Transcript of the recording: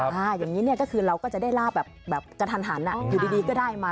อย่างนี้เนี่ยก็คือเราก็จะได้ลาบแบบกระทันหันอยู่ดีก็ได้มา